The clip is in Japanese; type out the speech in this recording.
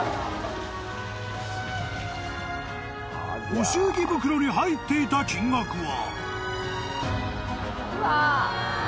［ご祝儀袋に入っていた金額は］